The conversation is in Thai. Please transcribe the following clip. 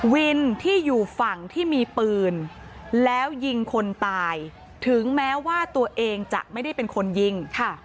วินที่อยู่ฝั่งที่มีปืนแล้วยิงคนตายถึงแม้ว่าตัวเองจะไม่ได้เป็นคนยิง